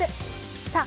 さあ。